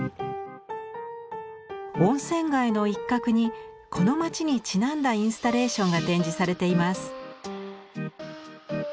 温泉街の一角にこの町にちなんだインスタレーションが展示されています。